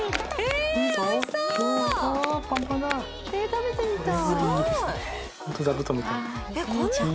食べてみたい。